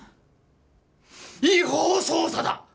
違法捜査だ！